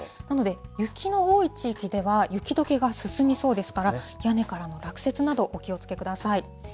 なので、雪の多い地域では雪どけが進みそうですから、屋根からの落雪などお気をつけください。